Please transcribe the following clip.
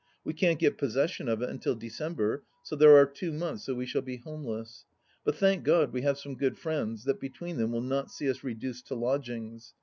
We can't get possession of it until December, so there are two months that we shall be homeless. But thank God, we have some good friends, that between them will not see us reduced to lodgings.